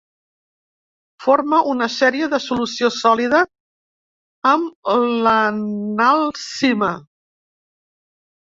Forma una sèrie de solució sòlida amb l'analcima.